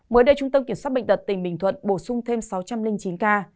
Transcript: mới đây trung tâm kiểm soát bệnh tật tỉnh bình thuận bổ sung thêm sáu trăm linh chín ca